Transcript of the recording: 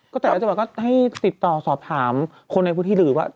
ก็แต่จะบอกให้ติดต่อสอบถามคนในพวกที่หรือว่า